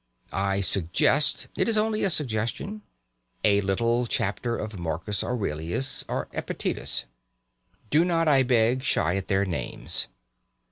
I suggest it is only a suggestion a little chapter of Marcus Aurelius or Epictetus. Do not, I beg, shy at their names.